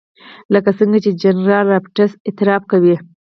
لکه څنګه چې جنرال رابرټس اعتراف کوي.